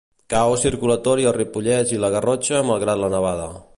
Caos circulatori al Ripollès i la Garrotxa malgrat la nevada.